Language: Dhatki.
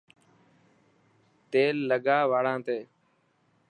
تيل لگا واڙاتي.